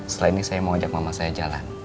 setelah ini saya mau ajak mama saya jalan